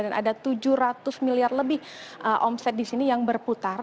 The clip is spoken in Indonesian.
dan ada tujuh ratus miliar lebih omset di sini yang berputar